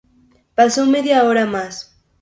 Pasó media hora más.